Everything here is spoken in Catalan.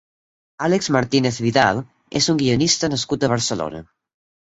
Àlex Martínez Vidal és un guionista nascut a Barcelona.